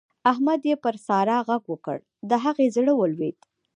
احمد چې پر سارا غږ وکړ؛ د هغې زړه ولوېد.